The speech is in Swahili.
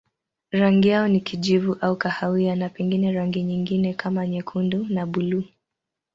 Rangi yao ni kijivu au kahawia na pengine rangi nyingine kama nyekundu na buluu.